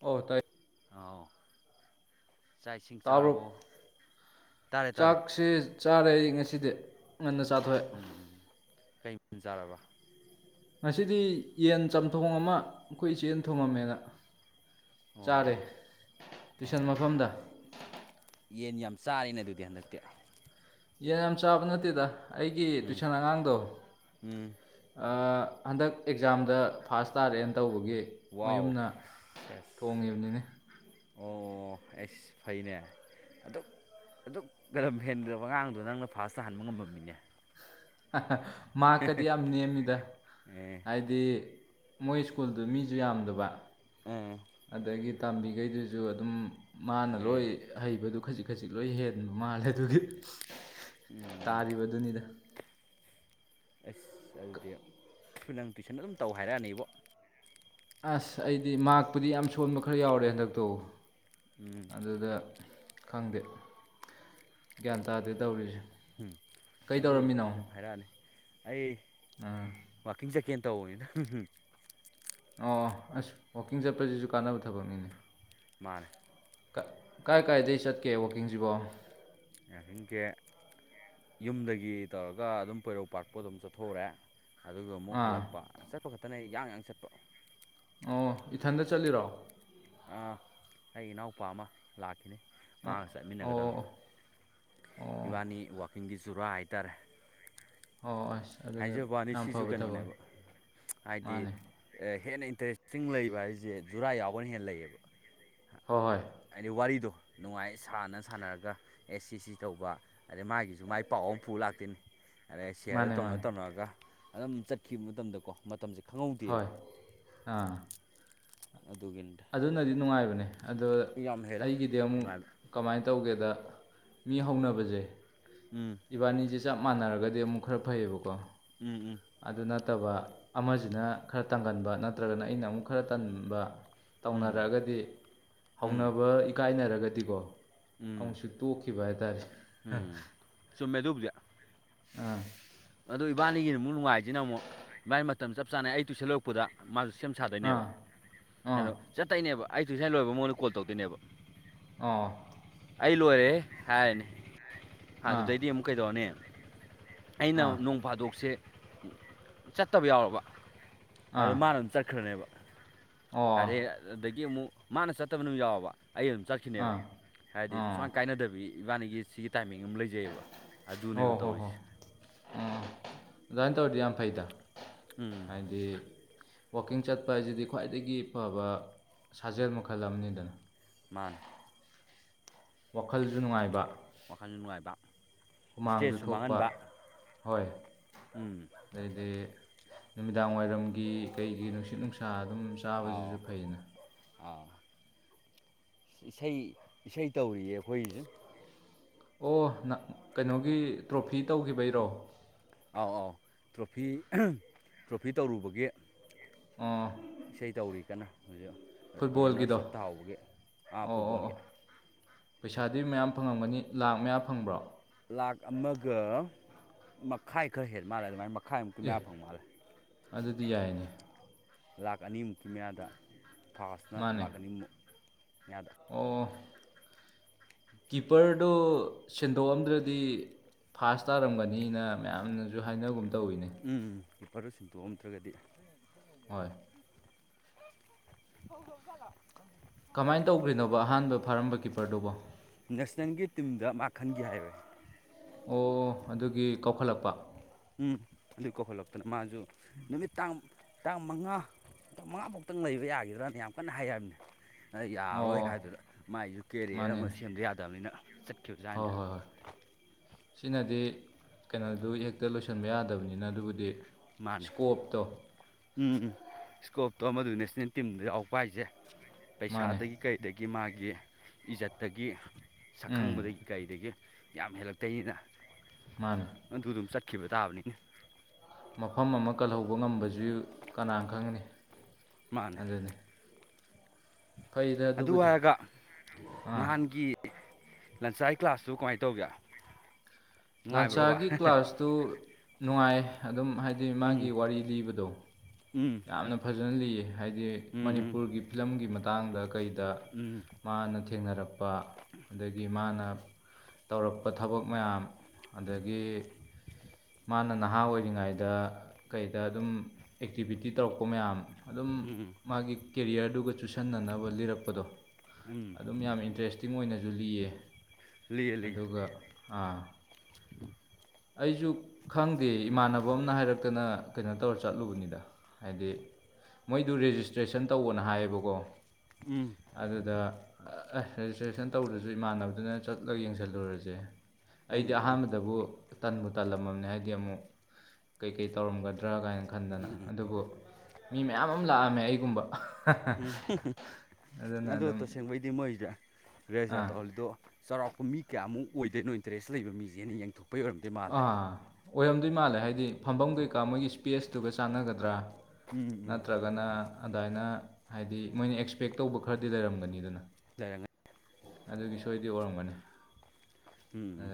ꯑꯣ ꯇꯥꯏ ꯍꯥꯎ ꯆꯥꯛ ꯏꯁꯤꯡ ꯆꯥꯔꯕꯣ ꯇꯥꯔꯦ ꯇꯥꯔꯦ unintelligibleꯆꯥꯔꯦ ꯑꯩ ꯉꯁꯤꯗꯤ ꯉꯟꯅ ꯆꯥꯊꯣꯛꯑꯦ ꯖꯥꯔꯕ ꯉꯁꯤꯗꯤ ꯌꯦꯟ ꯆꯝꯊꯣꯡ ꯑꯃ ꯑꯩꯈꯣꯏ ꯏꯆꯦꯅꯥ ꯊꯣꯡꯉꯝꯃꯦꯅ ꯆꯥꯔꯦ ꯑꯣ ꯇꯨꯏꯁꯟ ꯑꯣ ꯃꯐꯝꯗ ꯌꯦꯟ ꯌꯥꯝ ꯆꯥꯏꯅ ꯑꯗꯨꯗꯤ ꯍꯟꯗꯛꯇꯤ ꯌꯦꯟ ꯌꯥꯝ ꯆꯥꯕ ꯅꯠꯇꯦꯗ ꯑꯩꯒꯤ ꯎꯝ ꯇꯨꯏꯁꯟ ꯑꯉꯥꯡꯗꯣ ꯎꯝ ꯍꯟꯗꯛ ꯑꯦꯛꯖꯥꯝꯗ ꯐꯥꯁ ꯇꯥꯔꯦꯅ ꯇꯧꯕꯒꯤ ꯋꯥꯎ ꯃꯌꯨꯝꯅ ꯁꯦꯖꯖ ꯊꯣꯡꯉꯤꯕꯅꯤꯅꯦ ꯑꯣ ꯑꯩꯁ ꯐꯩꯅꯦ ꯑꯗꯨꯛ ꯑꯗꯨꯛ ꯂꯝ ꯍꯦꯟꯒꯔꯕ ꯑꯉꯥꯡꯗꯣ ꯅꯪꯅ ꯐꯥꯔꯁ ꯇꯥꯍꯟꯕ ꯉꯝꯃꯝꯃꯤꯅꯦ ꯍꯥ ꯍꯥ ꯃꯥꯛꯀꯗꯤ ꯌꯥꯝ ꯅꯦꯝꯃꯤꯗ ꯑꯦ ꯍꯥꯏ unintelligible ꯗꯤ ꯃꯣꯏ ꯁ꯭ꯀꯨꯜꯗꯨ ꯃꯤꯁꯨ ꯌꯥꯝꯗꯕ ꯑꯣ ꯑꯗꯒꯤ ꯇꯝꯕꯤꯈꯩꯗꯨꯁꯨ ꯑꯗꯨꯝ ꯃꯥꯅ ꯑꯦ ꯂꯣꯏ ꯍꯩꯕꯗꯨ ꯈꯖꯤꯛ ꯈꯖꯤꯛ ꯂꯣꯏ ꯍꯦꯟꯕ ꯃꯥꯜꯂꯦ ꯑꯗꯨꯒꯤ ꯎꯝ ꯇꯥꯔꯤꯕꯗꯨꯅꯤꯗ ꯑꯁ ꯑꯗꯨꯗꯤ ꯅꯪ ꯇꯨꯏꯁꯟ ꯑꯗꯨꯝ ꯇꯧ ꯍꯥꯏꯔꯛꯑꯅꯤꯕꯣ ꯑꯁ ꯑꯩꯗꯤ ꯃꯥꯛꯄꯨꯗꯤ ꯌꯥꯝ ꯁꯣꯟꯕ ꯈꯔ ꯌꯥꯎꯔꯦ ꯍꯟꯗꯛꯇꯣ ꯎꯝ ꯑꯗꯨꯗ ꯈꯪꯗꯦ ꯒ꯭ꯌꯥꯟ ꯇꯥꯗꯦ ꯇꯧꯔꯤꯁꯦ ꯎꯝ ꯀꯩ ꯑꯗꯨꯏꯁꯨ ꯇꯧꯔꯝꯃꯤꯅꯣ ꯑꯗꯨꯝ ꯍꯥꯏꯔꯛꯑꯅꯤ ꯑꯩ ꯎꯝ ꯋꯥꯛꯀꯤꯡ ꯆꯠꯀꯦꯅ ꯇꯧꯕꯅꯤꯗ ꯍꯝ ꯍꯝ ꯑꯣ ꯑꯁ ꯋꯥꯛꯀꯤꯡ ꯆꯠꯄꯁꯤꯁꯨ ꯀꯥꯟꯅꯕ ꯊꯕꯛꯅꯤꯅꯦ ꯃꯥꯟꯅꯦ ꯀꯥꯏ ꯀꯥꯏꯗꯒꯤ ꯆꯠꯀꯦ ꯋꯥꯛꯀꯤꯡꯁꯤꯕꯣ [unintelligible] ꯌꯨꯝꯗꯒꯤ ꯇꯧꯔꯒ ꯑꯗꯨꯝ ꯄꯣꯏꯔꯧ ꯄꯥꯠ ꯄꯧ ꯑꯗꯨꯝ ꯆꯠꯊꯣꯛꯎꯔꯦ ꯑꯗꯨꯒ ꯑꯃꯨꯛ ꯑꯥ ꯍꯜꯂꯛꯄ ꯆꯠꯄ ꯈꯛꯇꯅꯦ ꯌꯥꯡ ꯌꯥꯡ ꯆꯠꯄ ꯑꯣ ꯏꯊꯟꯇ ꯆꯠꯂꯤꯔꯣ ꯑꯥ ꯑꯩꯒꯤ ꯏꯅꯥꯎꯄꯥ ꯑꯃ ꯂꯥꯛꯈꯤꯅꯤ ꯑꯣ ꯃꯥꯒ ꯆꯠꯃꯤꯟꯅꯒꯗꯕꯅꯤ ꯑꯣ ꯑꯣ ꯏꯕꯥꯅꯤ ꯋꯥꯛꯀꯤꯡꯒꯤ ꯖꯨꯔꯥ ꯍꯥꯏꯇꯥꯔꯦ ꯑꯣ ꯑꯗꯨꯅ ꯍꯥꯏꯖꯕ꯭ꯋꯥꯅꯤ ꯌꯥꯝ ꯁꯤꯖꯨ ꯐꯕ ꯊꯕꯛꯅꯤ ꯀꯩꯅꯣꯅꯦꯕ ꯍꯥꯏꯗꯤ ꯃꯥꯅꯦ ꯍꯦꯟꯅ ꯏꯟꯇꯔꯦꯁꯇꯤꯡ ꯂꯩꯕ ꯍꯥꯏꯖꯦ ꯖꯨꯔꯥ ꯌꯥꯎꯕꯅ ꯍꯦꯟ ꯂꯩꯕ ꯍꯣ ꯍꯣꯏ ꯍꯥꯏꯗꯤ ꯋꯥꯔꯤꯗꯣ ꯅꯨꯡꯉꯥꯏ ꯁꯥꯟꯅ ꯁꯥꯟꯅꯔꯒ ꯑꯦ ꯁꯤ ꯁꯤ ꯇꯧꯕ ꯑꯗꯩ ꯃꯥꯒꯤꯖꯨ ꯃꯥꯏ ꯄꯥꯎ ꯑꯃ ꯄꯨ ꯂꯥꯛꯇꯣꯏꯅꯤ ꯑꯗꯩ ꯁꯤꯌꯥꯔꯗꯣ ꯃꯥꯅꯦ ꯇꯧꯅ ꯃꯥꯅꯦ ꯇꯧꯅꯔꯒ ꯑꯗꯨꯝ ꯆꯠꯈꯤꯕ ꯃꯇꯝꯗꯀꯣ ꯃꯇꯝꯖꯦ ꯈꯪꯍꯧꯗꯦꯕ ꯍꯣꯏ ꯑꯥ ꯑꯗꯨꯒꯤꯅꯤꯗ ꯑꯗꯨꯅꯗꯤ ꯅꯨꯡꯉꯥꯏꯕꯅꯦ ꯑꯗꯣ ꯌꯥꯝ ꯍꯦꯜꯂꯦ ꯑꯩꯒꯤꯗꯤ ꯑꯃꯨꯛ ꯅꯨꯡꯉꯥꯏꯕ ꯀꯃꯥꯏ ꯇꯧꯒꯦꯗ ꯃꯤ ꯍꯧꯅꯕꯖꯦ ꯎꯝ ꯏꯕꯥꯅꯤꯖꯦ ꯆꯞ ꯃꯥꯟꯅꯔꯒꯗꯤ ꯑꯃꯨꯛ ꯈꯔ ꯐꯩꯕꯀꯣ ꯎꯝ ꯎꯝ ꯑꯗꯨ ꯅꯠꯇꯕ ꯑꯃꯖꯤꯅ ꯈꯔ ꯇꯪꯒꯟꯕ ꯅꯠꯇ꯭ꯔꯒꯅ ꯑꯩꯅ ꯑꯃꯨꯛ ꯈꯔ ꯇꯟꯕ ꯎꯝ ꯇꯧꯅꯔꯛꯑꯒꯗꯤ ꯎꯝ ꯎꯝ ꯍꯧꯅꯕ ꯏꯀꯥꯏꯅꯔꯒꯗꯤꯀꯣ ꯎꯝ ꯑꯃꯨꯛꯁꯨ ꯇꯣꯛꯈꯤꯕ ꯍꯥꯏꯇꯥꯔꯦ ꯎꯝ ꯆꯨꯝꯃꯦ ꯑꯗꯨꯕꯨꯗꯤ ꯑꯥ ꯑꯗꯣ ꯏꯕꯥꯅꯤꯒꯤꯅ ꯑꯃꯨꯛ ꯅꯨꯡꯉꯥꯏꯖꯤꯅ ꯑꯃꯨꯛ ꯃꯥꯥꯏ ꯃꯇꯝ ꯆꯞ ꯆꯥꯅ ꯑꯩ ꯇꯨꯏꯁꯟ ꯂꯧꯔꯛꯄꯗ ꯃꯥꯖꯨ ꯁꯦꯝ ꯁꯥꯗꯣꯏꯅꯦꯕ ꯑꯥ ꯑꯥ ꯑꯗꯣ ꯆꯠꯇꯣꯏꯅꯦꯕ ꯑꯩ ꯇꯨꯏꯁꯟ ꯂꯣꯏꯕ ꯃꯉꯣꯟꯗ ꯀꯣꯜ ꯇꯧꯗꯣꯏꯅꯦꯕ ꯑꯥ ꯑꯩ ꯂꯣꯏꯔꯦ ꯍꯥꯏꯔꯅꯤ ꯑꯥ ꯑꯗꯨꯗꯩꯗꯤ ꯑꯃꯨꯛ ꯀꯩꯗꯧꯔꯅꯤ ꯑꯩꯅ ꯑꯥ ꯅꯣꯡ ꯐꯥꯗꯣꯛꯁꯦ ꯆꯠꯇꯕ ꯌꯥꯎꯔꯕ ꯑꯗꯣ ꯑꯥ ꯃꯥꯅ ꯑꯗꯨꯝ ꯆꯠꯈ꯭ꯔꯅꯦꯕ ꯑꯣ ꯐꯔꯦ ꯑꯗꯒꯤ ꯑꯃꯨꯛ ꯃꯥꯅ ꯆꯠꯇꯕ ꯅꯨꯃꯤꯠ ꯌꯥꯎꯔꯕ ꯑꯩ ꯑꯗꯨꯝ ꯆꯠ ꯑꯥ ꯁꯤꯅꯦꯕ ꯍꯥꯏꯗꯤ ꯑꯣ ꯁꯨꯡꯀꯥꯏ ꯀꯥꯏꯅꯗꯕꯤ ꯏꯕꯥꯅꯤꯒꯤ ꯁꯤꯒꯤ ꯇꯥꯏꯃꯤꯡ ꯑꯃ ꯂꯩ ꯍꯣ ꯍꯣ ꯍꯣ ꯎꯝ ꯑꯗꯨꯃꯥꯏ ꯇꯧꯔꯗꯤ ꯌꯥꯝ ꯐꯩꯗ ꯎꯝ ꯍꯥꯏꯗꯤ ꯋꯥꯀꯤꯡ ꯆꯠꯄ ꯍꯥꯏꯖꯤꯗꯤ ꯈ꯭ꯋꯥꯏꯗꯒꯤ ꯐꯕ ꯁꯥꯖꯦꯜ ꯃꯈꯜ ꯑꯃꯅꯤꯗꯅ ꯃꯥꯥꯅꯦ ꯋꯥꯈꯜꯖꯨ ꯅꯨꯡꯉꯥꯏꯕ ꯋꯥꯈꯜꯁꯨ ꯅꯨꯡꯉꯥꯏꯕ ꯍꯨꯃꯥꯡꯖꯨ ꯏꯁꯇ꯭ꯔꯦꯁꯁꯨ ꯊꯣꯛꯄ ꯃꯥꯡꯍꯟꯕ ꯍꯣꯏ ꯎꯝ ꯗꯩꯗꯤ ꯅꯨꯃꯤꯗꯥꯡ ꯋꯥꯏꯔꯝꯒꯤ ꯀꯩꯒꯤ ꯅꯨꯡꯁꯤꯠ ꯅꯨꯡꯁꯥ ꯑꯗꯨꯝ ꯑꯥꯎ ꯆꯥꯕꯖꯤꯖꯨ ꯐꯩꯗꯅ ꯑꯥꯎ ꯏꯁꯩ ꯏꯁꯩ ꯇꯧꯔꯤꯌꯦ ꯑꯩꯈꯣꯏꯖꯤ ꯑꯣ ꯅ ꯀꯩꯅꯣꯒꯤ ꯇ꯭ꯔꯣꯐꯤ ꯇꯧꯒꯤꯕꯩꯔꯣ ꯑꯥꯎ ꯑꯥꯎ ꯇ꯭ꯔꯣꯐꯤ ꯇ꯭ꯔꯣꯐꯤ ꯇꯧꯔꯨꯕꯒꯤ ꯑꯥ ꯏꯁꯩ ꯇꯧꯔꯤ ꯀꯟꯅ ꯍꯧꯖꯤꯛ ꯐꯨꯠꯕꯣꯜꯒꯤꯗꯣ ꯔꯟꯅꯔꯁ ꯑꯞ ꯇꯥꯍꯧꯕꯒꯤ ꯑꯥ ꯑꯣ ꯑꯣ ꯐꯨꯠꯕꯣꯜꯒꯤ ꯑꯣ ꯄꯩꯁꯥꯗꯤ ꯃꯌꯥꯝ ꯐꯪꯉꯝꯒꯅꯤ ꯂꯥꯛ ꯃꯌꯥ ꯐꯪꯕ꯭ꯔꯣ ꯂꯥꯛ ꯑꯃꯒ ꯃꯈꯥꯏ ꯈꯔ ꯍꯦꯟ ꯃꯥꯜꯂꯦ ꯑꯗꯨꯃꯥꯏ ꯃꯈꯥꯏꯃꯨꯛꯀꯤ ꯑꯦ ꯃꯌꯥ ꯐꯪ ꯃꯥꯜꯂꯦ ꯑꯗꯨꯗꯤ ꯌꯥꯏꯅꯦ ꯂꯥꯛ ꯑꯅꯤꯃꯨꯛꯀꯤ ꯃꯌꯥꯗ ꯐꯔꯥꯁꯅ ꯃꯥꯅꯦ ꯂꯥꯛ ꯑꯅꯤꯃꯨꯛ ꯃꯌꯥꯗ ꯑꯣ ꯀꯤꯄꯔꯗꯨ ꯁꯤꯟꯗꯣꯛꯑꯝꯗ꯭ꯔꯗꯤ ꯐꯥꯁ ꯇꯥꯔꯝꯒꯅꯤꯅ ꯃꯌꯥꯝꯅꯁꯨ ꯍꯥꯏꯅꯒꯨꯝ ꯇꯧꯋꯤꯅꯦ ꯎꯝ ꯀ꯭ꯔꯤꯄꯔꯗꯣ ꯁꯤꯟꯗꯣꯛꯑꯝꯗ꯭ꯔꯒꯗꯤ ꯍꯣꯏ ꯍꯣ [unintelligible] ꯀꯃꯥꯏꯅ ꯇꯧꯈ꯭ꯔꯤꯅꯣꯕ ꯑꯍꯥꯟꯕ ꯐꯥꯔꯝꯕ ꯀꯤꯄꯔꯗꯨꯕꯣ ꯅꯦꯁꯅꯦꯜꯒꯤ ꯇꯤꯝꯗ ꯃꯥ ꯈꯟꯒꯦ ꯍꯥꯏꯔꯦ ꯑꯣ ꯑꯗꯨꯒꯤ ꯀꯧꯈꯠꯂꯛꯄ ꯎꯝ ꯑꯗꯨ ꯀꯧꯍꯜꯂꯛꯇꯅ ꯃꯥꯁꯨ ꯅꯨꯃꯤꯠ ꯇꯥꯡ ꯇꯥꯡ ꯃꯉꯥ ꯇ ꯃꯉꯥꯐꯧꯗꯪ ꯂꯩꯕ ꯌꯥꯈꯤꯗ꯭ꯔꯅ ꯌꯥꯝ ꯀꯟꯅ ꯍꯥꯏꯔꯕꯅꯦ ꯅ ꯑꯣ ꯌꯥꯔꯔꯣꯏ ꯍꯥꯏꯗꯨꯅ ꯃꯥꯏꯁꯨ ꯀꯦꯔꯤꯌꯔ ꯑꯃ ꯃꯥꯅꯤꯅꯦ ꯁꯦꯝꯗ ꯌꯥꯗꯕꯅꯤꯅ ꯍꯣꯏ ꯆꯠꯈꯤꯕꯖꯥꯠꯅꯤꯗ ꯍꯣꯏ ꯍꯣꯏ ꯁꯤꯅꯗꯤ ꯀꯩꯅꯣꯗꯨ ꯍꯦꯛꯇ ꯂꯣꯏꯁꯤꯟꯕ ꯌꯥꯗꯕꯅꯤꯅ ꯑꯗꯨꯕꯨꯗꯤ ꯃꯥꯅꯦ ꯏꯁꯀꯣꯞꯇꯣ ꯎꯝ ꯎꯝ ꯏꯁꯀꯣꯞꯇꯣ ꯑꯃꯗꯨ ꯅꯦꯁꯅꯦꯜ ꯇꯤꯝꯗ ꯌꯥꯎ ꯄ ꯍꯥꯏꯁꯦ ꯃꯥꯅꯦ ꯄꯩꯁꯥꯗꯒꯤ ꯀꯩꯗꯒꯤ ꯃꯥꯒꯤ ꯏꯖꯠꯇꯒꯤ ꯎꯝ ꯁꯛꯈꯪꯕꯗꯒꯤ ꯀꯩꯗꯒꯤ ꯌꯥꯝ ꯍꯦꯜꯂꯛꯇꯣꯏꯅꯤꯅ ꯃꯥꯅꯤ ꯑꯗꯨ ꯑꯗꯨꯝ ꯆꯠꯈꯤꯕ ꯇꯥꯕꯅꯤꯅ ꯃꯐꯝ ꯑꯃ ꯀꯜꯍꯧꯕ ꯉꯝꯕꯁꯨ ꯀꯅꯥꯅ ꯈꯪꯒꯅꯤ ꯃꯥꯅꯦ ꯐꯩꯗ ꯑꯗꯨ ꯑꯗꯨꯕꯨꯗꯤ ꯍꯥꯏꯔꯒ ꯑꯥ ꯅꯍꯥꯟꯒꯤ ꯂꯟꯁꯥꯏ ꯀ꯭ꯂꯥꯁꯇꯨ ꯀꯃꯥꯏꯅ ꯇꯧꯒꯦ ꯅꯨꯡꯉꯥꯏꯕ꯭ꯔꯣꯕ ꯂꯥꯟꯁꯥꯒꯤ ꯀ꯭ꯂꯥꯁꯇꯨ ꯅꯨꯡꯉꯥꯏ ꯑꯗꯨꯝ ꯍꯥꯏꯗꯤ ꯃꯥꯒꯤ ꯎꯝ ꯋꯥꯔꯤ ꯂꯤꯕꯗꯣ ꯎꯝ ꯌꯥꯝꯅ ꯐꯖꯅ ꯂꯤꯌꯦ ꯍꯥꯏꯗꯤ ꯎꯝ ꯎꯝ ꯃꯅꯤꯄꯨꯔꯒꯤ ꯐꯤꯂꯝꯒꯤ ꯃꯇꯥꯡꯗ ꯀꯩꯗ ꯎꯝ ꯃꯥꯅ ꯊꯦꯡꯅꯔꯛꯄ ꯑꯗꯒꯤ ꯃꯥꯅ ꯇꯧꯔꯛꯄ ꯊꯕꯛ ꯃꯌꯥꯝ ꯑꯗꯒꯤ ꯃꯥꯅ ꯅꯍꯥ ꯑꯣꯏꯔꯤꯉꯩꯗ ꯀꯩꯗ ꯑꯗꯨꯝ ꯑꯦꯛꯇꯤꯕꯤꯇꯤ ꯇꯧꯔꯛꯄ ꯃꯌꯥꯝ ꯑꯗꯨꯝ ꯎꯝ ꯃꯥꯒꯤ ꯀꯦꯔꯤꯌꯔꯗꯨꯒ ꯆꯨꯁꯟꯅꯅꯕ ꯂꯤꯔꯛꯄꯗꯣ ꯎꯝ ꯑꯗꯨꯝ ꯌꯥꯝꯅ ꯏꯟꯇꯔꯦꯁꯇꯦ ꯆꯤꯡ ꯑꯣꯏꯅꯁꯨ ꯂꯤꯌꯦ ꯂꯤꯌꯦ ꯂꯤꯌꯦ ꯑꯗꯨꯒꯥ ꯑꯩꯁꯨ ꯈꯪꯗꯦ ꯏꯃꯥꯟꯅꯕ ꯑꯃꯅ ꯍꯥꯏꯔꯛꯇꯅ ꯀꯩꯅꯣ ꯇꯧꯔ ꯆꯠꯂꯨꯕꯅꯤꯗ ꯍꯥꯏꯗꯤ ꯃꯣꯏꯗꯨ ꯔꯦꯖꯤꯁꯇ꯭ꯔꯦꯁꯟ ꯇꯧꯕꯅ ꯍꯥꯏꯌꯦꯕꯀꯣ ꯎꯝ ꯑꯗꯨꯗ ꯔꯦꯖꯤꯁꯇ꯭ꯔꯦꯁꯟ ꯇꯧꯔꯁꯨ ꯏꯃꯥꯟꯅꯕꯗꯨꯅ ꯆꯠꯂꯒ ꯌꯦꯡꯁꯜꯂꯨꯔꯁꯦ ꯑꯩꯗꯤ ꯎꯝ ꯎꯝ ꯑꯍꯥꯟꯕꯗꯕꯨ ꯇꯟꯕꯨ ꯇꯜꯂꯝꯃꯕꯅꯦ ꯍꯥꯏꯗꯤ ꯑꯃꯨꯛ ꯀꯩꯀꯩ ꯇꯧꯔꯝꯒꯗꯦ ꯅꯠꯇ꯭ꯔꯥ ꯀꯥꯏꯅ ꯈꯟꯗꯅ ꯎꯝ ꯑꯗꯨꯕꯨ ꯃꯤ ꯃꯌꯥꯝ ꯑꯃ ꯂꯥꯛꯑꯝꯃꯦ ꯑꯩꯒꯨꯝꯕ ꯎꯝ ꯑꯗꯨꯅ ꯑꯗꯣ ꯑꯗꯨꯝ ꯇꯁꯦꯡꯕꯩꯗꯤ ꯃꯣꯏꯁꯤ ꯔꯦꯁꯇꯥꯥꯔ ꯑꯥ ꯇꯧꯍꯜꯂꯤꯗꯣ ꯆꯥꯎꯔꯥꯛꯄ ꯃꯤ ꯀꯌꯥꯃꯨꯛ ꯑꯣꯏꯗꯣꯏꯅꯣ ꯏꯟꯇꯔꯦꯁ ꯂꯩꯕ ꯃꯤꯁꯦꯅ ꯌꯦꯡꯊꯣꯛ ꯑꯥ ꯑꯣꯏꯔꯝꯗꯣꯏ ꯃꯥꯜꯂꯦ ꯍꯥꯏꯗꯤ ꯐꯝꯐꯝ ꯀꯩꯀꯥ ꯃꯣꯏꯒꯤ ꯏꯁꯄꯦꯁꯇꯨꯒ ꯆꯥꯟꯅꯒꯗ꯭ꯔꯥ ꯎꯝ ꯎꯝ ꯅꯠꯇ꯭ꯔꯒꯅ ꯑꯗꯨꯃꯥꯏꯅ ꯍꯥꯏꯗꯤ ꯃꯣꯏꯅ ꯑꯦꯛꯁꯄꯦꯛ ꯇꯧꯕ ꯈꯔꯗꯤ ꯂꯩꯔꯝꯒꯅꯤꯗꯅ ꯂꯩꯔꯉꯦ ꯑꯗꯨꯒꯤ ꯁꯣꯏꯗꯤ ꯑꯣꯏꯔꯝꯒꯅꯤ ꯑ ꯎꯝ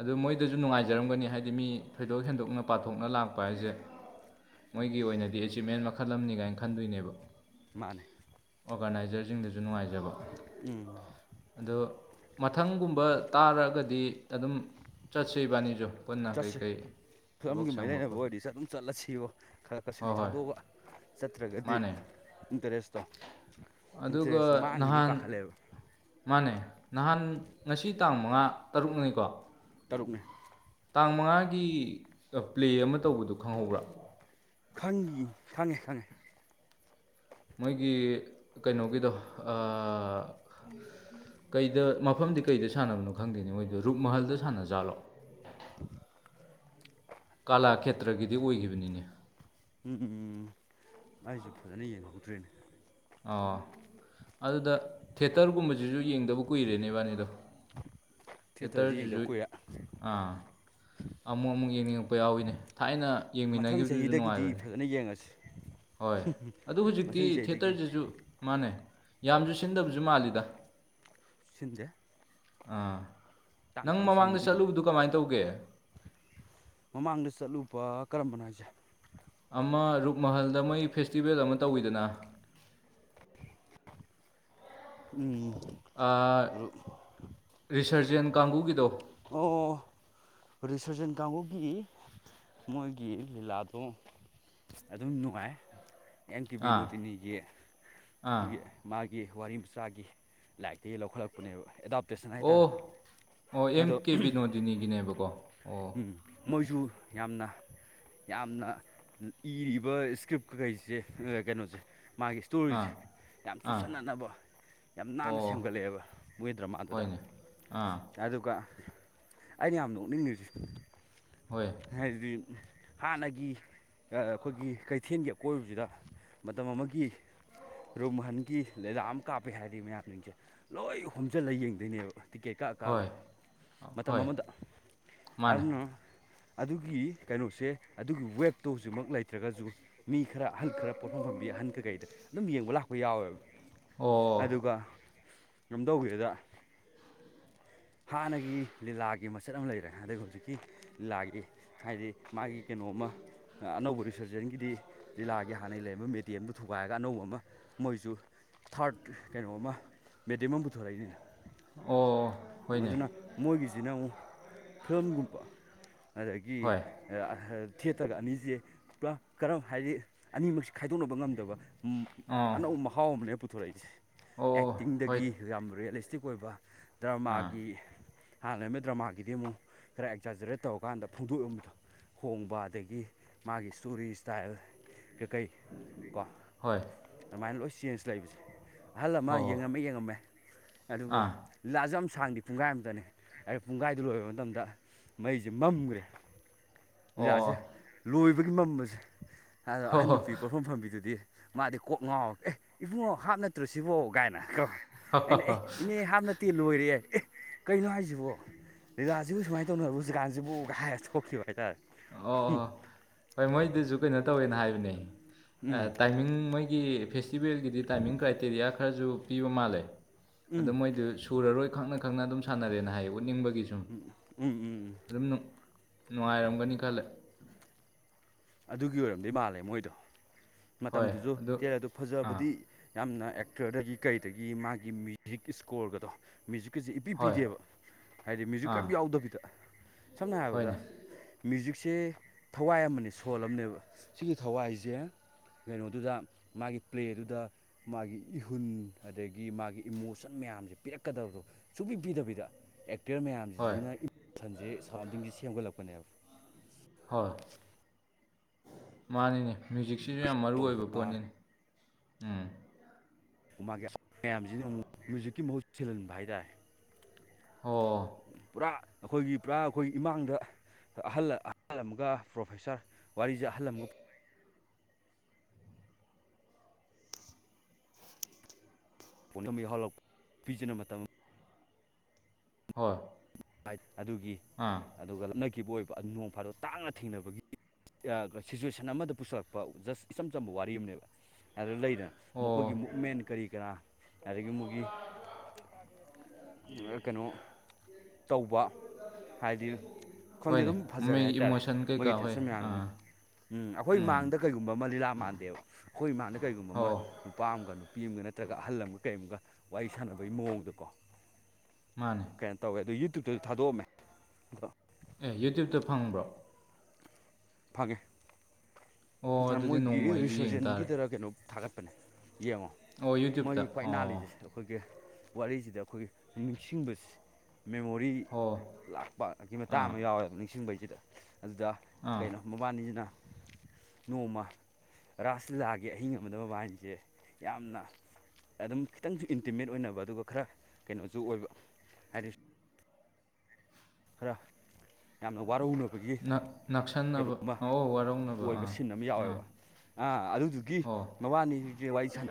ꯑꯗꯨ ꯃꯣꯏ ꯑꯩꯗꯁꯨ ꯅꯨꯡꯉꯥꯏꯖꯔꯝꯒꯅꯤ ꯍꯥꯏꯗꯤ ꯃꯤ ꯊꯣꯏꯗꯣꯛ ꯍꯦꯟꯗꯣꯛꯅ ꯄꯥꯊꯣꯛꯅ ꯂꯥꯛꯄ ꯍꯥꯏꯁꯦ ꯃꯣꯏꯒꯤ ꯑꯣꯏꯅꯗꯤ ꯑꯦꯆꯤꯞꯃꯦꯟ ꯃꯈꯜ ꯑꯃꯅꯤ ꯀꯥꯏꯅ ꯈꯟꯗꯣꯏꯅꯦꯕ ꯃꯥꯅꯦ ꯑꯣꯔꯒꯅꯥꯏꯖꯔꯁꯤꯡꯗꯁꯨ ꯅꯨꯡꯉꯥꯏꯖꯕ ꯎꯝ ꯑꯗꯣ ꯃꯊꯪꯒꯨꯝꯕ ꯇꯥꯔꯛꯑꯒꯗꯤ ꯑꯗꯨꯝ ꯆꯠꯁꯤ ꯏꯕꯥꯅꯤꯁꯨ ꯄꯨꯟꯅ ꯆꯠꯁ ꯀꯩꯀꯩ ꯊꯕꯛ ꯐꯤꯂꯝꯒꯤ ꯃꯔꯤ ꯁꯪꯕ ꯂꯩꯅꯕ ꯈꯣꯠꯄ ꯑꯣꯏꯔꯗꯤ ꯆꯠ ꯑꯗꯨꯝ ꯆꯠꯂꯁꯤꯕꯣ ꯈꯔ ꯍꯣꯏ ꯈꯔꯁꯤꯗꯤ ꯍꯣꯏ ꯊꯥꯗꯣꯛꯑ ꯆꯠꯇ꯭ꯔꯒꯗꯤ ꯃꯥꯅꯦ ꯏꯟꯇꯔꯦꯁꯇꯣ ꯏꯟꯇꯔꯦꯁꯇꯣ ꯑꯗꯨꯒ ꯃꯥꯡꯈꯤꯅꯤ ꯅꯍꯥꯟ ꯄꯥꯈꯠꯂꯦꯕ ꯃꯥꯅꯦ ꯅꯍꯥꯟ ꯉꯁꯤ ꯇꯥꯡ ꯃꯉꯥ ꯇꯔꯨꯛꯅꯤꯅꯤꯀꯣ ꯇꯔꯨꯛꯅꯦ ꯇꯥꯡ ꯃꯉꯥꯒꯤ ꯄ꯭ꯂꯦ ꯑꯃ ꯇꯧꯕꯗꯨ ꯈꯪꯍꯧꯕ꯭ꯔꯥ ꯈꯪꯉꯤ ꯈꯪꯉꯦ ꯈꯪꯉꯦ ꯃꯣꯏꯒꯤ ꯀꯩꯅꯣꯒꯤꯗꯣ ꯑꯥ ꯀꯩꯗ ꯃꯐꯝꯗꯤ ꯀꯩꯗ ꯁꯥꯟꯅꯕꯅꯣ ꯈꯪꯗꯦꯅꯦ ꯃꯣꯏꯗꯣ ꯔꯨꯛ ꯃꯍꯜꯗ ꯁꯥꯟꯅꯖꯥꯠꯂꯣ [unintelligible] ꯀꯥꯂꯥ ꯈꯦꯇ꯭ꯔꯒꯤꯗꯤ ꯑꯣꯏꯈꯤꯕꯅꯤꯅꯦ ꯎꯝ ꯎꯝ ꯑꯩꯁꯨ ꯐꯖꯅ ꯌꯦꯡꯍꯧꯗ꯭ꯔꯦꯅꯦ ꯑꯥ ꯑꯗꯨꯗ ꯊꯦꯇꯔꯒꯨꯝꯕꯁꯤꯁꯨ ꯌꯦꯡꯗꯕ ꯀꯨꯏꯔꯦꯅꯦ ꯏꯕꯥꯅꯤꯗꯣ ꯊꯤꯌꯦꯇꯔꯁꯦ ꯌꯦꯡꯗꯕ ꯊꯦꯇꯔꯁꯤꯁꯨꯨ ꯀꯨꯏꯔꯦ ꯑꯥ ꯑꯃꯨꯛ ꯑꯃꯨꯛ ꯌꯦꯡꯅꯤꯡꯉꯛꯄ ꯌꯥꯎꯏꯤꯅꯦ ꯊꯥꯏꯅ ꯃꯊꯪ ꯌꯦꯡꯃꯤꯟꯅꯈꯤꯕꯗꯨꯁꯨ ꯆꯍꯤꯗꯒꯤꯗꯤ ꯅꯨꯡꯉꯥꯏꯕꯅꯦ ꯐꯖꯅ ꯌꯦꯡꯉꯁꯤ ꯍꯣꯏ ꯑꯗꯨ ꯍꯧꯖꯤꯛꯇꯤ ꯃꯊꯪ ꯆꯍꯤꯗꯒꯤ ꯊꯦꯇꯔꯁꯤꯁꯨ ꯃꯥꯅꯦ ꯌꯥꯝꯁꯨ ꯁꯤꯟꯗꯕꯁꯨ ꯃꯥꯜꯂꯤꯗ ꯁꯤꯟꯗ‌ꯦ ꯑꯥ ꯅꯪ ꯇꯥꯡ ꯃꯃꯥꯡꯗ ꯁꯤꯟꯕꯅꯤꯅ ꯆꯠꯂꯨꯕꯗꯨ ꯀꯃꯥꯏꯅ ꯇꯧꯒꯦ ꯃꯃꯥꯡꯗ ꯆꯠꯂꯨꯕ ꯀꯔꯝꯕꯅꯣ ꯍꯥꯏꯁꯦ ꯑꯃ ꯔꯨꯛ ꯃꯍꯜꯗ ꯃꯣꯏ ꯐꯦꯁꯇꯤꯚꯦꯜ ꯑꯃ ꯇꯧꯋꯤꯗꯅ ꯎꯝ ꯑꯥ ꯔꯤꯁꯔꯖꯦꯟ ꯀꯥꯡꯕꯨꯨꯒꯤꯗꯣ ꯑꯣ ꯔꯤꯁꯔꯖꯦꯟ ꯀꯥꯡꯕꯨꯨꯒꯤ ꯃꯣꯏꯒꯤ ꯂꯤꯂꯥꯗꯣ ꯑꯗꯨꯝ ꯅꯨꯡꯉꯥꯏ ꯑꯦꯟꯀꯤꯕꯤ ꯑꯥ ꯅꯣꯗꯤꯅꯤꯒꯤ ꯑꯥ ꯑꯩꯈꯣꯏꯒꯤ ꯃꯥꯒꯤ ꯋꯥꯔꯤ ꯃꯆꯥꯒꯤ ꯂꯥꯏꯔꯤꯛꯇꯒꯤ ꯂꯧꯈꯠꯂꯛꯄꯅꯦꯕ ꯑꯦꯗꯥꯞꯇꯦꯁꯟ ꯑꯣ ꯍꯥꯏꯇꯥꯔꯦ ꯑꯣ ꯑꯦꯝ ꯑꯗꯣ ꯀꯦ ꯕꯤꯅꯣꯗꯤꯅꯤꯒꯤꯅꯦꯕꯀꯣ ꯑꯣ ꯃꯣꯏꯁꯨ ꯌꯥꯝꯅ ꯌꯥꯝꯅ ꯏꯔꯤꯕ ꯏꯁꯀ꯭ꯔꯤꯞꯈꯩꯁꯦ ꯀꯩꯅꯣꯁꯦ ꯃꯥꯒꯤ ꯑꯥ ꯇꯨꯔꯤꯁꯦ ꯌꯥꯝ ꯑꯥ ꯆꯨꯁꯟꯅꯅꯕ ꯌꯥꯝ ꯑꯣ ꯅꯥꯟꯅ ꯁꯦꯝꯒꯠꯂꯛꯑꯦꯕ ꯃꯣꯏ ꯗ꯭ꯔꯃꯥꯗꯨꯗ ꯍꯣꯏꯅꯦ ꯑꯥ ꯑꯗꯨꯒ ꯑꯩꯅ ꯌꯥꯝ ꯅꯣꯛꯅꯤꯡꯉꯁꯤ ꯍꯣꯏ ꯍꯥꯏꯗꯤ ꯍꯥꯟꯅꯒꯤ ꯑꯩꯈꯣꯏꯒꯤ ꯀꯩꯊꯦꯜꯒꯤ ꯑꯀꯣꯏꯕꯁꯤꯗ ꯃꯇꯝ ꯑꯃꯒꯤ ꯔꯨꯝ ꯃꯍꯍꯟꯒꯤ ꯂꯤꯂꯥꯛ ꯑꯃ ꯀꯥꯞꯄꯦ ꯍꯥꯏꯔꯗꯤ ꯃꯌꯥꯝꯁꯤꯡꯁꯦ ꯂꯣꯏ ꯍꯣꯝꯖꯤꯜꯂꯒ ꯌꯦꯡꯗꯣꯏꯅꯦꯕ ꯇꯤꯀꯦꯠ ꯀꯛꯑ ꯀꯛꯑꯒ ꯍꯣꯏ ꯃꯇꯝ ꯍꯣꯏ ꯑꯃꯗ ꯃꯥꯅꯦ ꯑꯗꯨꯅ ꯑꯗꯨꯒꯤ ꯀꯩꯅꯣꯁꯦ ꯑꯗꯨꯒꯤ ꯋꯦꯞꯇꯣ ꯍꯧꯖꯤꯛꯃꯛ ꯂꯩꯇ꯭ꯔꯒꯁꯨ ꯃꯤ ꯈꯔ ꯑꯍꯜ ꯈꯔ ꯄꯣꯠꯐꯝ ꯐꯝꯕꯤ ꯑꯍꯟ ꯀꯀꯩꯗ ꯑꯗꯨꯝ ꯌꯦꯡꯕ ꯂꯥꯛꯄ ꯌꯥꯎꯋꯦꯕ ꯑꯣ ꯑꯗꯨꯒ ꯀꯝ ꯇꯧꯒꯗ ꯍꯥꯟꯅꯒꯤ ꯂꯤꯂꯥꯒꯤ ꯃꯆꯠ ꯑꯃ ꯂꯩꯔꯦ ꯑꯗꯒꯤ ꯍꯧꯖꯤꯛꯀꯤ ꯂꯤꯂꯥꯒꯤ ꯍꯥꯏꯗꯤ ꯃꯥꯒꯤ ꯀꯩꯅꯣꯝꯃ ꯑꯅꯧꯕ ꯔꯤꯁ‌ꫭꯔꯖꯦꯟꯒꯤꯗꯤ ꯖꯤꯜꯂꯥꯒꯤ ꯍꯥꯟꯅꯒꯤ ꯂꯩꯔꯝꯕ ꯃꯦꯗꯤꯦꯝꯗꯨ ꯊꯨꯒꯥꯏꯔꯒ ꯑꯅꯧꯕ ꯑꯃ ꯃꯣꯏꯁꯨ ꯊꯥꯔꯠ ꯀꯩꯅꯣꯃ ꯃꯦꯗꯤꯝ ꯑꯃ ꯄꯨꯊꯣꯔꯛꯏꯅꯤꯅ ꯑꯣ ꯍꯣꯏꯅꯦ ꯑꯗꯨꯅ ꯃꯣꯏꯒꯤꯁꯤꯅ ꯑꯃꯨꯛ ꯐꯤꯂꯝꯒꯨꯝꯕ ꯑꯗꯒꯤ ꯍꯣꯏ ꯊꯤꯌꯦꯇꯔꯒ ꯑꯅꯤꯁꯦ ꯄꯨ ꯀꯔꯝ ꯍꯥꯏꯗꯤ ꯑꯅꯤꯃꯛꯁꯦ ꯈꯥꯏꯗꯣꯛꯅꯕ ꯉꯝꯗꯕ ꯑꯝ ꯑꯥ ꯑꯅꯧꯕ ꯃꯍꯥꯎ ꯑꯃꯅꯦ ꯄꯨꯊꯣꯔꯛꯏꯁꯦ ꯑꯣ ꯍꯣꯏ ꯑꯦꯛꯇꯤꯡꯗꯒꯤ ꯌꯥꯝ ꯔꯤꯌꯦꯂꯤꯁꯇꯤꯛ ꯑꯣꯏꯕ ꯑꯥ ꯗ꯭ꯔꯃꯥꯒꯤ ꯍꯥꯟꯅ ꯂꯩꯕ ꯗ꯭ꯔꯃꯥꯒꯤꯗꯤ ꯑꯃꯨꯛ ꯈꯔ ꯑꯦꯛꯖꯥꯖꯔꯦꯠ ꯇꯧꯔꯀꯥꯟꯗ ꯐꯣꯡꯗꯣꯛꯑꯝꯃꯤꯗꯣ ꯍꯣꯡꯕ ꯑꯗꯒꯤ ꯃꯥꯒꯤ ꯏꯁꯇꯣꯔꯤ ꯏꯁꯇꯥꯏꯜ ꯀꯩ ꯀꯩ ꯀꯣ ꯍꯣꯏ ꯑꯗꯨꯃꯥꯏꯅ ꯂꯣꯏ ꯆꯦꯟꯖ ꯂꯩꯕꯁꯦ ꯑꯍꯜ ꯑꯃ ꯍꯣ ꯍꯣ ꯌꯦꯡꯉꯝꯃꯦ ꯌꯦꯡꯉꯝꯃꯦ ꯑꯗꯨꯒ ꯑꯥ ꯂꯤꯂꯥꯁ‌ꯦ ꯌꯥꯝ ꯁꯥꯡꯗ‌ꯦ ꯄꯨꯡꯈꯥꯏ ꯑꯃꯝꯇꯅꯦ ꯑ ꯄꯨꯡꯈꯥꯏꯗꯨ ꯂꯣꯏꯕ ꯃꯇꯝꯗ ꯃꯩꯁꯦ ꯃꯝꯈ꯭ꯔꯦ ꯂꯤꯂꯥꯁꯦ ꯑꯣ ꯂꯣꯏꯕꯒꯤ ꯃꯝꯕꯁꯦ ꯍꯣ ꯑꯍꯟ ꯍꯣ ꯅꯨꯄꯤ ꯄꯣꯠꯐꯝ ꯐꯝꯕꯤꯗꯨꯗꯤ ꯃꯥꯗꯤ ꯀꯣꯛ ꯉꯥꯎ ꯑꯦ ꯏꯕꯨꯡꯉꯣ ꯍꯥꯞ ꯅꯠꯇ꯭ꯔꯣ ꯁꯤꯕꯣ ꯒꯥꯏꯅ ꯀꯣ ꯑꯩꯅ ꯑꯦ ꯑꯣ ꯏꯅꯦ ꯍꯥꯞ ꯅꯠꯇꯦ ꯂꯣꯏꯔꯦ ꯑꯦ ꯀꯩꯅꯣ ꯍꯥꯏꯁꯤꯕꯣ ꯂꯤꯂꯥ ꯁꯤꯕꯨ ꯁꯨꯃꯥꯏ ꯇꯧꯅꯕ꯭ꯔꯣ ꯍꯧꯖꯤꯀꯥꯟꯁꯤꯕꯨ ꯀꯥꯏꯔ ꯊꯣꯛꯈꯤꯕ ꯍꯥꯏꯇꯥꯔꯦ ꯑꯣ ꯍꯣꯏ ꯃꯣꯏꯗꯨꯁꯨ ꯀꯩꯅꯣ ꯇꯧꯋꯦꯅ ꯍꯥꯏꯕꯅꯦ ꯎꯝ ꯇꯥꯏꯃꯤꯡ ꯃꯣꯏꯒꯤ ꯐꯦꯁꯇꯤꯚꯦꯜꯒꯤꯗꯤ ꯇꯥꯏꯃꯤꯡ ꯀ꯭ꯔꯥꯏꯇꯦꯔꯤꯌꯥ ꯈꯔꯁꯨ ꯄꯤꯕ ꯃꯥꯜꯂꯦ ꯑꯗꯣ ꯎꯝ ꯃꯣꯏꯗꯨ ꯁꯨꯔꯔꯣꯏ ꯈꯪꯅ ꯈꯪꯅ ꯑꯗꯨꯝ ꯁꯥꯟꯅꯔꯦꯅ ꯍꯥꯏꯌꯦ ꯎꯠꯅꯤꯡꯕꯒꯤ ꯁꯨꯝ ꯎꯝ ꯎꯝ ꯎꯝ ꯑꯗꯨꯝ ꯅꯨꯡꯉꯥꯏꯔꯝꯒꯅꯤ ꯈꯜꯂꯦ ꯑꯗꯨꯒꯤ ꯑꯣꯏꯔꯝꯗꯤ ꯃꯥꯜꯂꯦ ꯃꯣꯏꯗꯣ ꯃꯇꯝꯗꯨꯁꯨ ꯇꯦꯔ ꯑꯗꯨ ꯑꯥ ꯐꯖꯕꯗꯤ ꯌꯥꯝꯅ ꯑꯦꯛꯇꯔꯗꯒꯤ ꯀꯩꯗꯒꯤ ꯃꯥꯒꯤ ꯃ꯭ꯌꯨꯖꯤꯛ ꯏꯁꯀꯣꯔꯒꯗꯣ ꯃ꯭ꯌꯨꯖꯤꯛꯀꯁꯦ ꯏꯄꯤ ꯍꯣꯏ ꯄꯤꯗꯦꯕ ꯍꯥꯏꯗꯤ ꯑꯥ ꯃ꯭ꯌꯨꯖꯤꯛꯀꯝ ꯌꯥꯎꯗꯕꯤꯗ ꯁꯝꯅ ꯍꯥꯏꯔꯕꯗ ꯍꯣꯏꯅꯦ ꯃ꯭ꯌꯨꯖꯤꯛꯁꯦ ꯊꯋꯥꯏ ꯑꯃꯅꯦ ꯁꯣꯜ ꯑꯃꯅꯦꯕ ꯁꯤꯒꯤ ꯊꯋꯥꯏꯁꯦ ꯀꯩꯅꯣꯗꯨꯗ ꯃꯥꯒꯤ ꯄ꯭ꯂꯦꯗꯨꯗ ꯃꯥꯒꯤ ꯏꯍꯨꯟ ꯑꯗꯒꯤ ꯃꯥꯒꯤ ꯏꯃꯣꯁꯟ ꯃꯌꯥꯝꯁꯦ ꯄꯤꯔꯛꯀꯗꯕꯗꯣ ꯁꯨꯡꯛꯄꯤ ꯄꯤꯗꯕꯤꯗ ꯑꯦꯛꯇꯔ ꯍꯣꯏ ꯃꯌꯥꯝꯁꯤꯁꯤꯅ ꯏꯃꯣꯁꯟꯁꯦ ꯁꯔꯥꯎꯟꯗꯤꯡꯁꯦ ꯁꯦꯝꯒꯠꯂꯛꯄꯅꯦꯕ ꯍꯣꯏ ꯃꯥꯅꯤꯅꯦ ꯃ꯭ꯌꯨꯖꯤꯛꯁꯤꯁꯨ ꯌꯥꯝ ꯃꯔꯨ ꯁꯣꯔ ꯑꯣꯏꯕ ꯍꯣꯟꯕ ꯄꯣꯠꯅꯤꯅꯤ [unintelligible] ꯃꯥꯒꯤ ꯃꯌꯥꯝꯁꯤꯅ ꯑꯃꯨꯛ ꯃ꯭ꯌꯨꯖꯤꯛꯀꯤ ꯃꯍꯨꯠ ꯁꯤꯜꯍꯟꯕ ꯍꯥꯏꯇꯥꯔꯦ ꯑꯣ ꯄꯨꯔꯥ ꯑꯩꯈꯣꯏꯒꯤ ꯄꯨꯔꯥ ꯑꯩꯈꯣꯏꯒꯤ ꯏꯃꯥꯡꯗ ꯑꯍꯜ ꯑꯍꯜ ꯑꯃꯒ ꯄ꯭ꯔꯣꯐꯦꯁꯥꯔ ꯋꯥꯔꯤꯁꯦ ꯑꯍꯜ ꯑꯃꯒ ꯄꯨꯝꯅꯃꯛ ꯌꯧꯍꯟꯂꯛꯄ ꯄꯤꯖꯅ ꯃꯇꯝ ꯍꯣꯏ [unintelligible] ꯑꯗꯨꯒꯤ ꯑꯥ ꯑꯗꯨꯒ ꯂꯞꯅꯈꯤꯕ ꯑꯣꯏꯕ ꯑꯗꯨ ꯅꯣꯡ ꯐꯥꯗꯣꯛ ꯇꯥꯡꯅ ꯊꯦꯡꯅꯕꯒꯤ ꯁꯤꯆꯨꯋꯦꯁꯟ ꯑꯃꯗ ꯄꯨꯁꯜꯂꯛꯄꯥ ꯖꯁ ꯏꯆꯝ ꯆꯝꯕ ꯋꯥꯔꯤ ꯑꯃꯅꯦꯕ ꯑꯗꯨꯗꯅ ꯂꯩꯗꯅ ꯃꯈꯣꯏꯒꯤ ꯑꯣ ꯃꯨꯛꯃꯦꯟ ꯀꯔꯤ ꯀꯔꯥ ꯑꯗꯒꯤ ꯃꯣꯏꯒꯤ ꯀꯩꯅꯣ ꯇꯧꯕ ꯍꯥꯏꯗꯤ ꯈꯪꯗꯦ ꯍꯣꯏꯅꯦ ꯑꯗꯨꯝ ꯐꯖꯔꯦ ꯃꯣꯏꯒꯤ ꯍꯥꯏꯇꯥꯔꯦ ꯏꯃꯣꯁꯟ ꯀꯩꯀꯥ ꯃꯣꯏꯒꯤ ꯍꯣꯏ ꯇꯦꯟꯁꯟ ꯃꯌꯥꯝꯗꯨꯅ ꯑꯥ ꯎꯝ ꯑꯩꯈꯣꯏ ꯃꯥꯡꯗ ꯀꯩꯒꯨꯝꯕ ꯑꯃꯥ ꯂꯤꯂꯥ ꯃꯥꯟꯗꯦꯕ ꯑꯩꯈꯣꯏ ꯏꯃꯥꯡꯗ ꯀꯩꯒꯨꯝꯕ ꯍꯣ ꯑꯃꯥ ꯅꯨꯄꯥ ꯑꯃꯒ ꯅꯨꯄꯤ ꯑꯃꯒ ꯅꯠꯇ꯭ꯔꯒ ꯑꯍꯜ ꯑꯃꯒ ꯀꯔꯤ ꯑꯃꯒ ꯋꯥꯔꯤ ꯁꯥꯟꯅꯕꯒꯤ ꯃꯑꯣꯡꯗꯀꯣ ꯃꯥꯅꯦ ꯀꯩꯅꯣ ꯇꯧꯋꯦ ꯑꯗꯨ ꯌꯨꯇꯨꯞ ꯇꯁꯨ ꯊꯗꯣꯛꯑꯝꯃꯦ ꯑꯦ ꯌꯨꯇ꯭ꯌꯨꯕꯇ ꯐꯪꯕ꯭ꯔꯣ ꯐꯥꯒꯦ ꯑꯣ ꯑꯗꯨꯗꯤ ꯃꯣꯏꯒꯤ ꯅꯣꯡꯃ ꯑꯩꯁꯨ ꯌꯦꯡ ꯇꯥꯔꯦ ꯔꯤꯁꯔꯖꯦꯟꯒꯤꯗ ꯀꯩꯅꯣ ꯊꯥꯒꯠꯄꯅꯦ ꯌꯦꯡꯉꯣ ꯑꯣ ꯌꯨꯇ꯭ꯌꯨꯕꯇ ꯃꯣꯏꯒꯤ ꯈ꯭ꯋꯥꯏ ꯑꯣ ꯏꯅꯥꯂꯤꯁꯦ ꯑꯩꯈꯣꯏꯒꯤ ꯋꯥꯔꯤꯁꯤꯗ ꯑꯩꯈꯣꯏꯒꯤ ꯅꯤꯡꯁꯤꯡꯕ ꯃꯦꯃꯣꯔꯤ ꯍꯣ ꯂꯥꯛꯄꯒꯤ ꯃꯇꯥꯡ ꯑꯥ ꯑꯃ ꯌꯥꯎꯋꯦꯕ ꯅꯤꯡꯁꯤꯡꯕꯩꯁꯤꯗ ꯑꯗꯨꯗ ꯑꯥ ꯀꯩꯅꯣ ꯃꯕꯥꯅꯤꯁꯤꯅ ꯅꯣꯡꯃ ꯔꯥꯁ ꯂꯤꯂꯥꯒꯤ ꯑꯍꯤꯡ ꯑꯃꯗ ꯃꯕꯥ ꯍꯥꯏꯟꯁꯦ ꯌꯥꯝꯅ ꯑꯗꯨꯝ ꯈꯤꯇꯪꯁꯨ ꯏꯟꯇꯤꯃꯦꯠ ꯑꯣꯏꯅꯕ ꯑꯗꯨꯒ ꯈꯔ ꯀꯩꯅꯣꯁꯨ ꯑꯣꯏꯕ ꯍꯥꯏꯗꯤ ꯈꯔ ꯌꯥꯝꯅ ꯋꯥꯔꯧꯅꯕ ꯒꯤ ꯅꯛꯁꯟꯅꯕ ꯀꯩꯅꯣꯝꯃ ꯑꯣ ꯋꯥꯔꯧꯅꯕ ꯑꯣꯏꯕ ꯑꯥ ꯁꯤꯟ ꯑꯃ ꯑꯥ ꯌꯥꯎꯋꯦꯕ ꯑꯥ ꯑꯗꯨꯗꯨꯒꯤ ꯍꯣ ꯃꯕꯥꯅꯤ ꯍꯧꯁꯦ ꯋꯥꯔꯤ ꯁꯥꯟꯅꯔ